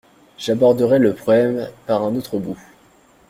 J’aborderai le problème par un autre bout.